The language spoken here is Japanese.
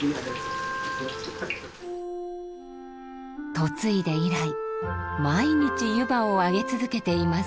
嫁いで以来毎日湯波を揚げ続けています。